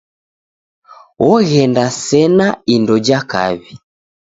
Oghenda sena indo ja kawi.